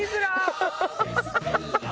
ハハハハ！